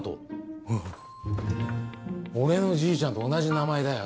ほほっ俺のじいちゃんと同じ名前だよ。